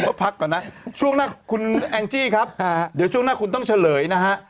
ก็พักก่อนนะช่วงหน้าคุณแองจี้ครับเดี๋ยวช่วงหน้าคุณต้องเฉลยนะฮะ